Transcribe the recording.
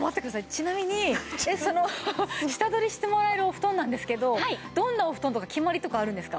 ちなみにその下取りしてもらえるお布団なんですけどどんなお布団とか決まりとかあるんですか？